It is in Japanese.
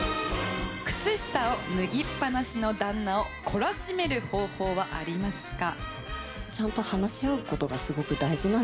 靴下を脱ぎっぱなしの旦那を懲らしめる方法はありますか？